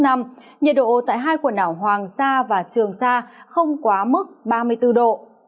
nhiệt độ tại hai quần đảo hoàng sa và trường sa không quá mức ba mươi bốn độ